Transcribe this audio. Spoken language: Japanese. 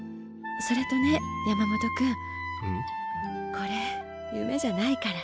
これ夢じゃないから。